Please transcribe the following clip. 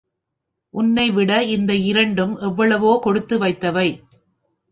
உன்னைவிட இந்த இரண்டும் எவ்வளவோ கொடுத்து வைத்தவை.